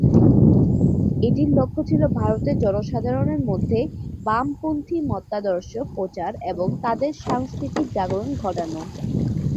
এটির লক্ষ্য ছিল ভারতের জনসাধারণের মধ্যে বামপন্থী মতাদর্শ প্রচার এবং তাদের সাংস্কৃতিক জাগরণ ঘটান।